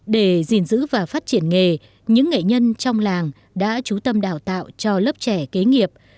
để gìn giữ và phát triển nghề những nghệ nhân trong làng đã trú tâm đào tạo cho lớp trẻ kế nghiệp